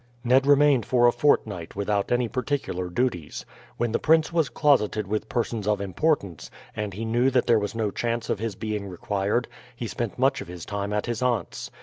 Ned remained for a fortnight without any particular duties. When the prince was closeted with persons of importance, and he knew that there was no chance of his being required, he spent much of his time at his aunt's.